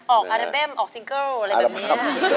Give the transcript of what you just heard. ออกอัลบั้มออกซิงเกิลอะไรแบบเนี้ย